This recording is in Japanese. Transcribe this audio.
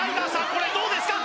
これどうですか？